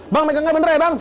bang pegangnya bener ya bang